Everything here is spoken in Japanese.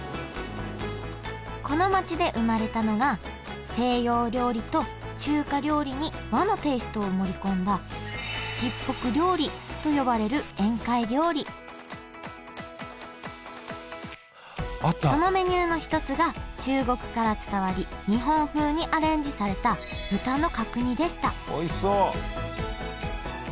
この街で生まれたのが西洋料理と中華料理に和のテイストを盛り込んだ卓袱料理と呼ばれる宴会料理そのメニューの一つが中国から伝わり日本風にアレンジされた豚の角煮でしたおいしそう！